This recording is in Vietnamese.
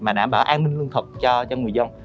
mà đảm bảo an ninh lương thực cho người dân